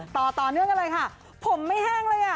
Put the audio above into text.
ต่อเรื่องว่าพร์มไม่แห้งเลย